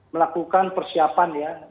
melakukan persiapan ya